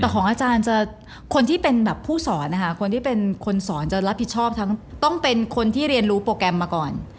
แต่ของอาจารย์จะคนที่เป็นแบบผู้สอนนะคะคนที่เป็นคนสอนจะรับผิดชอบทั้งต้องเป็นคนที่เรียนรู้โปรแกรมมาก่อน